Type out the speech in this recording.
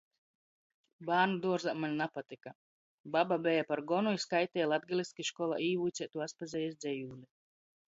Bārnuduorzā maņ napatyka, baba beja par gonu i skaiteja latgaliski školā īvuiceitū Aspazejis dzejūli.